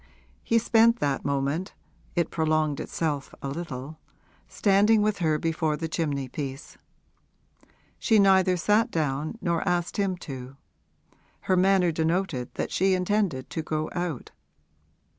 He spent that moment it prolonged itself a little standing with her before the chimney piece. She neither sat down nor asked him to; her manner denoted that she intended to go out.